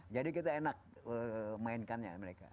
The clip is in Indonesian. jadi kita enak mainkannya mereka